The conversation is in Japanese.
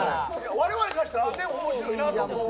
我々からしたら面白いなと思って。